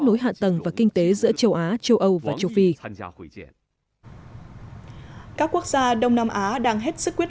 nối hạ tầng và kinh tế giữa châu á châu âu và châu phi các quốc gia đông nam á đang hết sức quyết